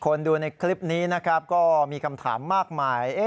คนดูในคลิปนี้ก็มีคำถามมากมาย